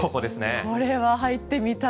これは入ってみたい。